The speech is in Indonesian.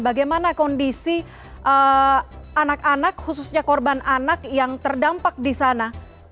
bagaimana kondisi anak anak khususnya korban anak yang terdampak di sana